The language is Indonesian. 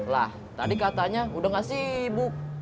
lah tadi katanya udah gak sibuk